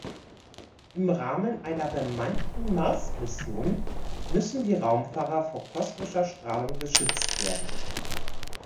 Im Rahmen einer bemannten Mars-Mission müssen die Raumfahrer vor kosmischer Strahlung geschützt werden.